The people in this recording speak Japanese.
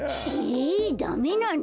えダメなの？